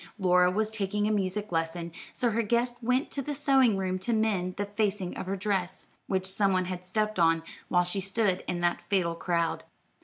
Laura was taking a music lesson, so her guest went to the sewing room to mend the facing of her dress, which some one had stepped on while she stood in that fatal crowd.